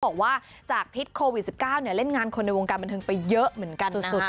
บอกว่าจากพิษโควิด๑๙เล่นงานคนในวงการบันเทิงไปเยอะเหมือนกันนะ